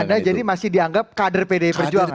anda jadi masih dianggap kader pdi perjuangan